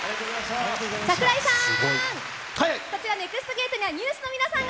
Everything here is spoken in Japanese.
櫻井さーん。